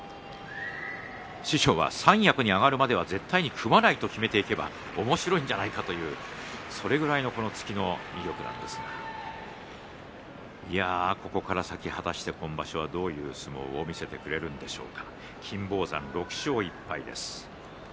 師匠は三役に上がるまでは絶対に組まないと決めていけばおもしろいんじゃないかとそれぐらいの突きの威力なんですがここから先、果たして今場所はどういう相撲を見せてくれるんでしょうか。